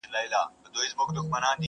بې دلیله مي د ښمن دی په بازار کي!!